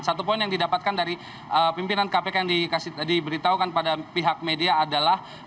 satu poin yang didapatkan dari pimpinan kpk yang diberitahukan pada pihak media adalah